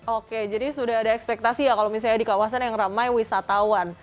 oke jadi sudah ada ekspektasi ya kalau misalnya di kawasan yang ramai wisatawan